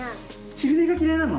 昼寝が嫌いなの？